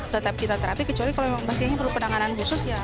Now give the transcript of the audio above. tetap kita terapi kecuali kalau memang pasiennya perlu penanganan khusus ya